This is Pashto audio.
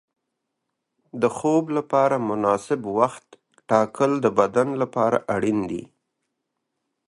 د خوب لپاره مناسب وخت ټاکل د بدن لپاره اړین دي.